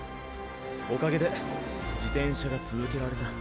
おかげで自転車が続けられた。